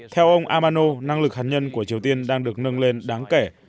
theo ông abbano năng lực hạt nhân của triều tiên đang được nâng lên đáng kể